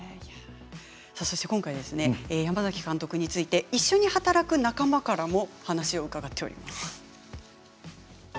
今回、山崎監督について一緒に働く仲間からも話を伺っています。